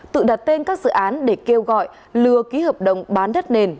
tự đặt tên các dự án để kêu gọi lừa ký hợp đồng bán đất nền